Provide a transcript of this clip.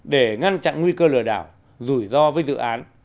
để ngăn chặn nguy cơ lừa đảo rủi ro với dự án